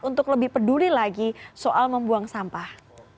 untuk lebih peduli lagi soal membuang sampah